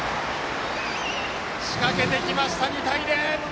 仕掛けてきました、２対０！